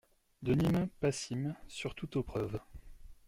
de Nîmes passim, surtout aux preuves.